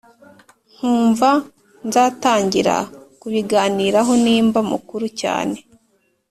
nkumva nzatangira kubiganiraho nimba mukuru cyane”